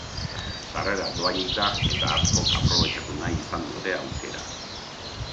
Sarrera dohainik da, eta askok aprobetxatu nahi izan dute aukera.